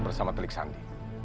bersama telik sandi